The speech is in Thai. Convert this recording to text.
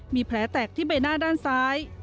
มีแผลแตกที่ใบหน้าด้านซ้าย